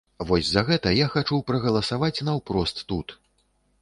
Вось за гэта я хачу прагаласаваць наўпрост тут.